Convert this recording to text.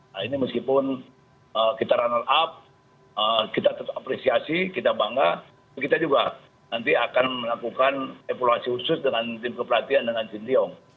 nah ini meskipun kita runner up kita tetap apresiasi kita bangga kita juga nanti akan melakukan evaluasi khusus dengan tim kepelatihan dengan sintiong